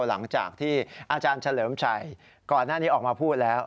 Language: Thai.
หลังจากที่อาจารย์เฉลิมชัยก่อนหน้านี้ออกมาพูดแล้ว